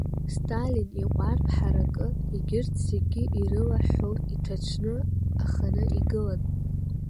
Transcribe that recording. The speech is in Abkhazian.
Сталин иҟәардә ҳаракы егьырҭ зегьы ирылыҳәҳәо иҭацәны аханы игылан.